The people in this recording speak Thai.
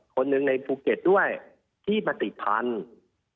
คนหนึ่งในภูเก็ตด้วยที่มาติดพันธุ์